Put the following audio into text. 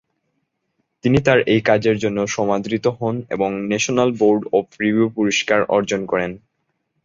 তিনি তার এই কাজের জন্য সমাদৃত হন এবং ন্যাশনাল বোর্ড অব রিভিউ পুরস্কার অর্জন করেন।